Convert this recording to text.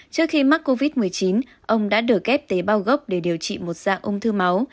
trước khi mắc covid một mươi chín ông đã được ghép tế bao gốc để điều trị một dạng ung thư máu